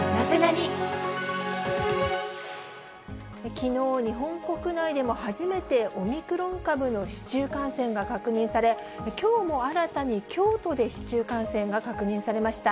きのう、日本国内でも初めてオミクロン株の市中感染が確認され、きょうも新たに京都で市中感染が確認されました。